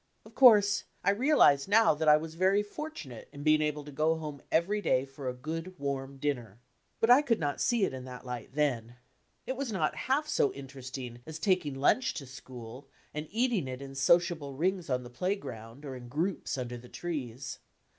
Of course, I real ize now that I was very fortunate in being able to go home every day for a good, warm dinner. But I could not see it in that light then. It was not half so interesting as taking lunch to school and eating it in sociable rings on the play ground, or in groups under the trees.